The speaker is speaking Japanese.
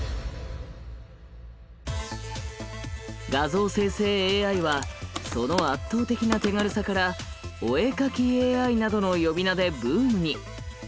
画像生成ＡＩはその圧倒的な手軽さから「お絵描きＡＩ」などの呼び名でブームに。